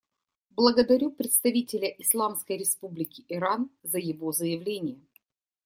Благодарю представителя Исламской Республики Иран за его заявление.